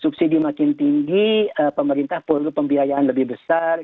subsidi makin tinggi pemerintah perlu pembiayaan lebih besar